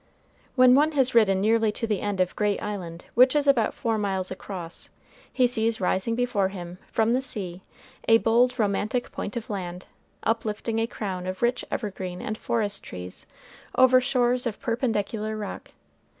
When one has ridden nearly to the end of Great Island, which is about four miles across, he sees rising before him, from the sea, a bold romantic point of land, uplifting a crown of rich evergreen and forest trees over shores of perpendicular rock.